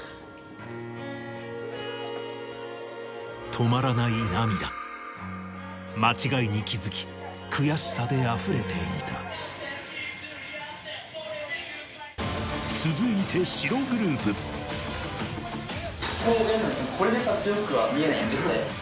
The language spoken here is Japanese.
止まらない涙間違いに気付き悔しさであふれていた続いて白グループこれでさ強くは見えない絶対。